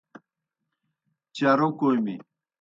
چارو کوْمیْ۔